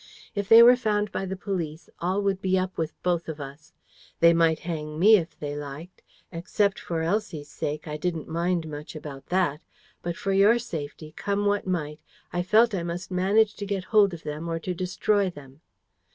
If they were found by the police, all would be up with both of us. They might hang ME if they liked: except for Elsie's sake, I didn't mind much about that: but for your safety, come what might, I felt I must manage to get hold of them or to destroy them.